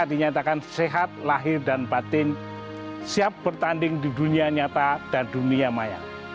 dinyatakan sehat lahir dan batin siap bertanding di dunia nyata dan dunia maya